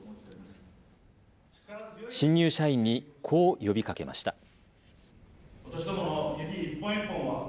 新入社員にこう呼びかけました。